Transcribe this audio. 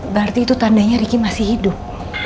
berarti itu tandanya riki masih hidup